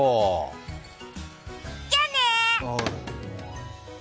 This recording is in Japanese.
じゃあね。